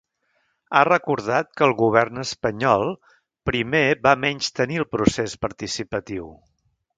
Ha recordat que el govern espanyol primer va menystenir el procés participatiu.